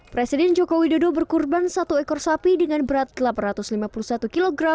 presiden jokowi dodo berkurban satu ekor sapi dengan berat delapan ratus lima puluh satu kg